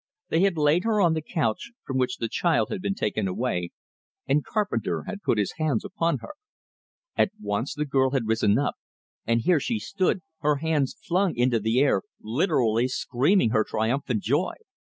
They had laid her on the couch, from which the child had been taken away, and Carpenter had put his hands upon her. At once the girl had risen up and here she stood, her hands flung into the air, literally screaming her triumphant joy.